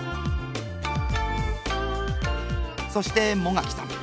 そして茂垣さん。